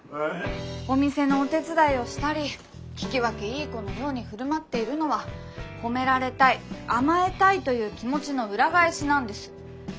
お店のお手伝いをしたり聞き分けいい子のように振る舞っているのは褒められたい甘えたいという気持ちの裏返しなんです。